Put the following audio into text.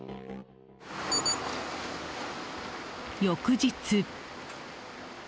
翌日。